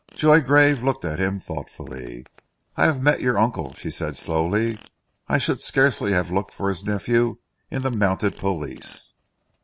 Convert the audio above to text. Joy Gargrave looked at him thoughtfully. "I have met your uncle," she said slowly. "I should scarcely have looked for his nephew in the Mounted Police."